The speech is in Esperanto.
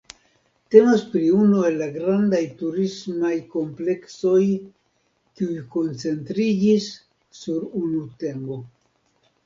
Temas pri unu el la grandaj turismaj kompleksoj kiuj koncentriĝis sur unu temo.